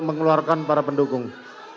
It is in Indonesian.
keluarkan para pendukung